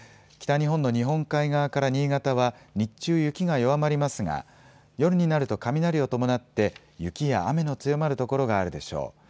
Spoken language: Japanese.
北日本の日本海側から新潟は日中、雪が弱まりますが夜になると雷を伴って雪や雨の強まる所があるでしょう。